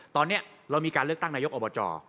ตอนนี้เรามีการเลือกตั้งนายกอบจ